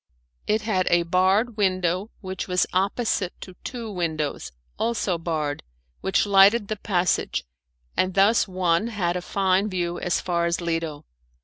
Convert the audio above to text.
It had a barred window which was opposite to two windows, also barred, which lighted the passage, and thus one had a fine view as far as Lido.